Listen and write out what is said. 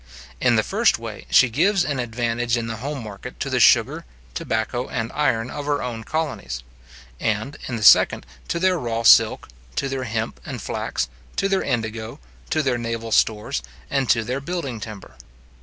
In the first way, she gives an advantage in the home market to the sugar, tobacco, and iron of her own colonies; and, in the second, to their raw silk, to their hemp and flax, to their indigo, to their naval stores, and to their building timber.